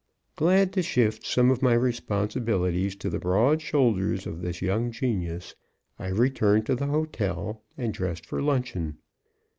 Glad to shift some of my responsibilities to the broad shoulders of this young genius, I returned to the hotel and dressed for luncheon.